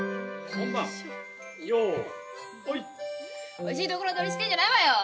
おいしいところ取りしてんじゃないわよ！